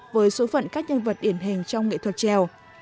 với số phận các nhân vật điển hình trong nghệ thuật trèo